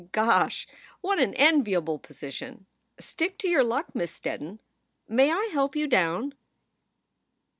"Gosh! what an enviable position. Stick to your luck, Miss Steddon. May I help you down?"